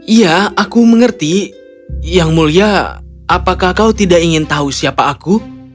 iya aku mengerti yang mulia apakah kau tidak ingin tahu siapa aku